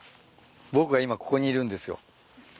僕が今ここにいるんですよ。